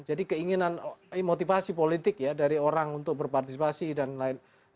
jadi keinginan motivasi politik ya dari orang untuk berpartisipasi dan lain lain